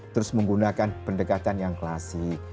terus menggunakan pendekatan yang klasik